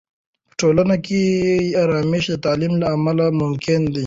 په ټولنه کې آرامش د تعلیم له امله ممکن دی.